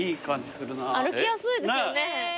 歩きやすいですよね。